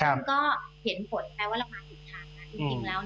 แล้วก็เห็นผลแปลว่าเรามาถึงทาง